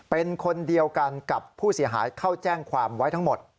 เป็นคนเดียวกันกับผู้เสียหายเข้าแจ้งความไว้ทั้งหมด